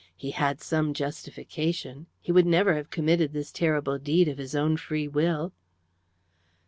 He had some justification. He would never have committed this terrible deed of his own free will."